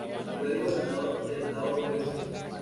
Fue gobernador del Estado dos veces.